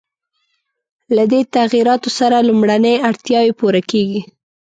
له دې تغییراتو سره لومړنۍ اړتیاوې پوره کېږي.